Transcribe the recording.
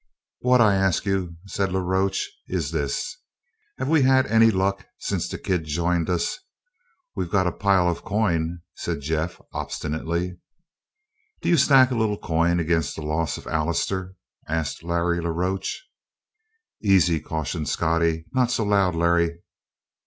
"What I ask you," said La Roche, "is this: Have we had any luck since the kid joined us?" "We've got a pile of the coin," said Jeff obstinately. "D'you stack a little coin against the loss of Allister?" asked Larry la Roche. "Easy," cautioned Scottie. "Not so loud, Larry."